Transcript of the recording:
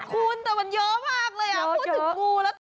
คุณแต่มันเยอะมากเลยพูดถึงงู